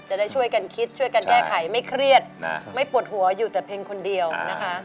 จะได้ช่วยกันคิดช่วยกันแก้ไขไม่เครียดไม่ปวดหัวอยู่แต่เพียงคนเดียวนะคะ